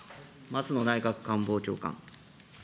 松野内閣官房長官。